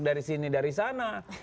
dari sini dari sana